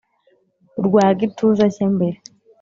Urwa gituza cyimbere